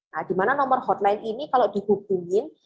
nah dimana nomor hotline ini kalau dihubungin